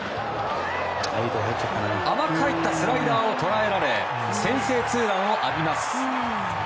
甘く入ったスライダーを捉えられ先制ツーランを浴びます。